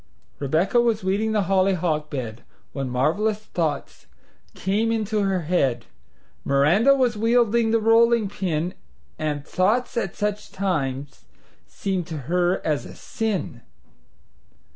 Rebecca was weeding the hollyhock bed When marvelous thoughts came into her head. Miranda was wielding the rolling pin And thoughts at such times seemed to her as a sin.